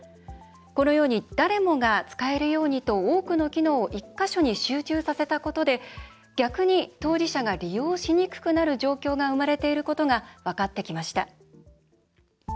このように誰もが使えるようにと多くの機能を１か所に集中させたことで逆に当事者が利用しにくくなる状況が生まれていることが分かってきました。